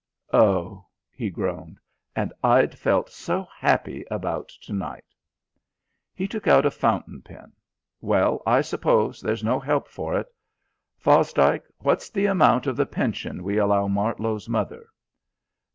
"Oh," he groaned, "and I'd felt so happy about to night." He took out a fountain pen. "Well, I suppose there's no help for it. Fosdike, what's the amount of the pension we allow Martlow's mother?"